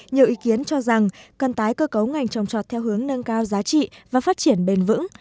nhiều ý kiến cho rằng cần tái cơ cấu ngành trồng trọt theo hướng nâng cao giá trị và phát triển bền vững